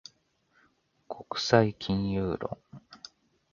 国際金融論